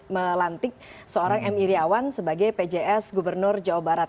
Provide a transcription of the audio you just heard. melantik seorang m iryawan sebagai pjs gubernur jawa barat